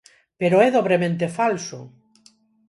¡Pero é dobremente falso!